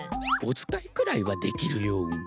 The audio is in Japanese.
お使いくらいはできるよ。